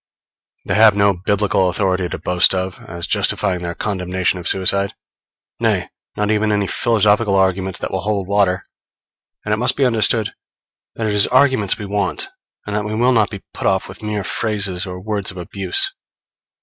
They have no Biblical authority to boast of, as justifying their condemnation of suicide; nay, not even any philosophical arguments that will hold water; and it must be understood that it is arguments we want, and that we will not be put off with mere phrases or words of abuse.